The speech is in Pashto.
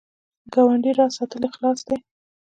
د ګاونډي راز ساتل اخلاص دی